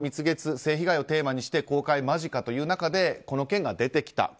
実は、この「蜜月」性被害をテーマにして公開間近という中でこの件が出てきた。